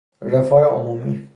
رفاه عمومی